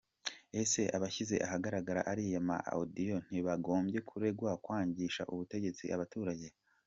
Ese abashyize ahagaragara ariya ma audios ntibagombye kuregwa kwangisha ubutegetsi abaturage?